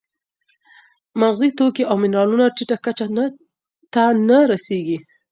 مغذي توکي او منرالونه ټیټه کچه ته نه رسېږي.